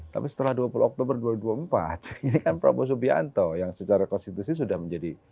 tapi setelah dua puluh oktober dua ribu dua puluh empat ini kan prabowo subianto yang secara konstitusi sudah menjadi